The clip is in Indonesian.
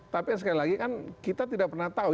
tapi sekali lagi kan kita tidak pernah tahu